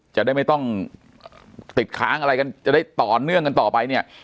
จะได้ไม่ต้องติดค้างอะไรกันจะได้ต่อเนื่องกันต่อไปเนี่ย